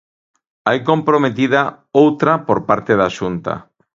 Hai comprometida outra por parte da Xunta.